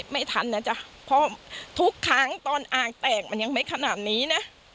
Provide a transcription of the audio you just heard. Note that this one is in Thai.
ไม่ทันนะจ๊ะเพราะทุกครั้งตอนอ่างแตกมันยังไม่ขนาดนี้นะ